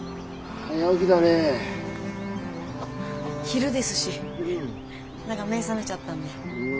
昼ですし何か目覚めちゃったんで。